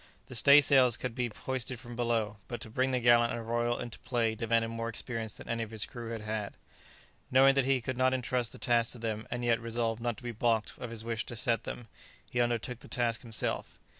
The stay sails could be hoisted from below, but to bring the gallant and royal into play demanded more experience than any of his crew had had. Knowing that he could not entrust the task to them, and yet resolved not to be baulked of his wish to set them, he undertook the task himself.